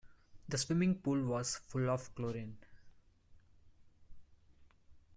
The swimming pool was full of chlorine.